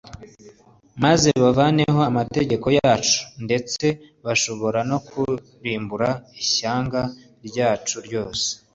maze bavaneho amategeko yacu, ndetse bashobora no kurimbura ishyanga ryacu ryose.